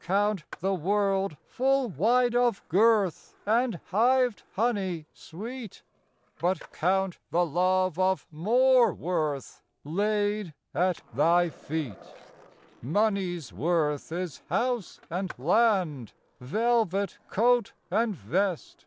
Count the world full wide of girth, And hived honey sweet, But count the love of more worth Laid at thy feet. " Money's worth is house and land, Velvet coat and vest.